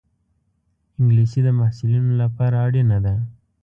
انګلیسي د محصلینو لپاره اړینه ده